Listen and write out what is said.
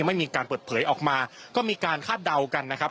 ไม่มีการเปิดเผยออกมาก็มีการคาดเดากันนะครับ